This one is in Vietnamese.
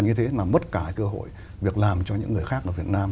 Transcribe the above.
như thế là mất cả cơ hội việc làm cho những người khác ở việt nam